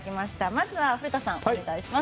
まずは古田さんお願いします。